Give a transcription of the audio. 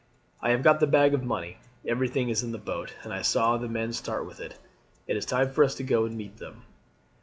I have got the bag of money. Everything is in the boat, and I saw the men start with it. It is time for us to go and meet them."